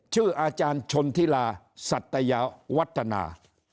ชื่ออาจารย์ชนธิลาสัตยาวัฒนา